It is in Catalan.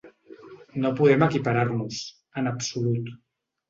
No podem equiparar-nos, en absolut.